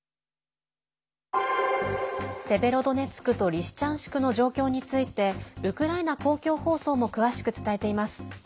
セベロドネツクとリシチャンシクの状況についてウクライナ公共放送も詳しく伝えています。